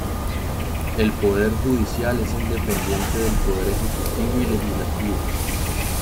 El Poder judicial es independiente del poder ejecutivo y legislativo.